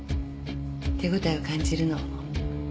手応えを感じるの。